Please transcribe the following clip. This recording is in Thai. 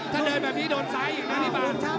ถ้าเดินแบบนี้โดนซ้ายอีกนะพี่ป่า